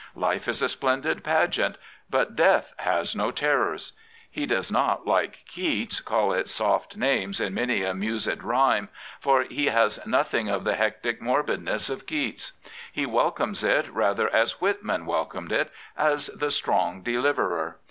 Life is a splendid pageant; but Death has no terrors. He does not, like Keats, " call it soft names in many a mused rhyme,*' for he has nothing of the hectic morbidness of Keats. He welcomes it rather as Whitman welcomed it — as the strong deliverer.